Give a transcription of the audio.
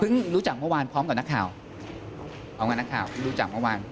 เพิ่งรู้จักเมื่อวานพร้อมกับนักข่าวเอาไงนักข่าวรู้จักเมื่อวาน